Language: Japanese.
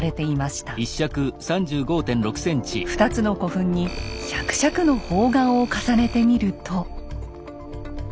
２つの古墳に１００尺の方眼を重ねてみると。